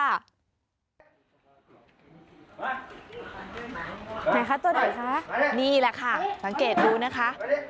ไหนคะตัวไหนคะนี่แหละค่ะสังเกตดูนะคะ